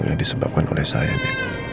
yang disebabkan oleh saya